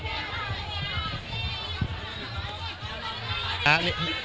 ไม่เอานะ